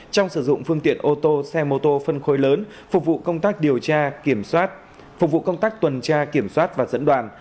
trong sử dụng phương tiện ô tô xe mô tô phân khối lớn phục vụ công tác tuần tra kiểm soát và dẫn đoàn